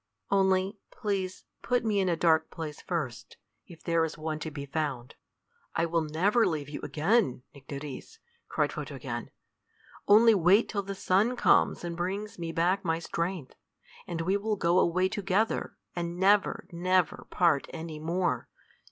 Only please put me in a dark place first, if there is one to be found." "I will never leave you again, Nycteris," cried Photogen. "Only wait till the sun comes and brings me back my strength, and we will go away together, and never, never part any more."